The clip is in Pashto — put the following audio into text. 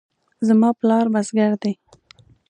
زما پلار بزګر دی